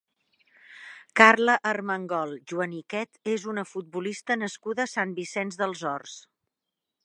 Carla Armengol Joaniquet és una futbolista nascuda a Sant Vicenç dels Horts.